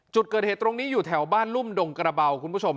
จุดเกิดเหตุตรงนี้อยู่แถวบ้านรุ่มดงกระเบาคุณผู้ชม